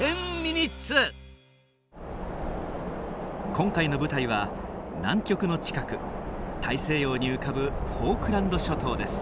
今回の舞台は南極の近く大西洋に浮かぶフォークランド諸島です。